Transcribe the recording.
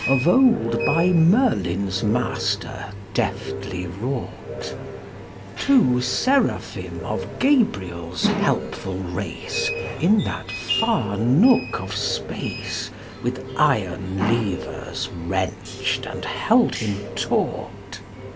Of old by Merlin's Master deftly wrought: Two Seraphim of Gabriel's helpful race In that far nook of space With iron levers wrenched and held him taut.